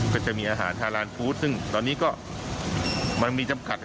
ก็จะมีอาหารฮาลานฟู้ดซึ่งตอนนี้ก็มันมีจำกัด